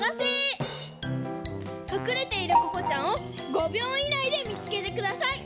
隠れているここちゃんを５びょういないで見つけてください。